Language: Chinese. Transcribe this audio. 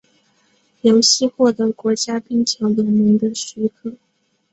游戏获得国家冰球联盟的许可。